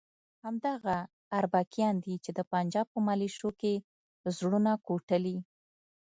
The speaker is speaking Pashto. همدغه اربکیان دي چې د پنجاب په ملیشو کې زړونه کوټلي.